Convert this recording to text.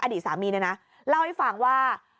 อดีตสามีเนี่ยนะเล่าให้ฟังว่า